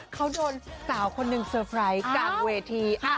เขาโดนสาวคนหนึ่งเซอร์ไพรส์กลางเวที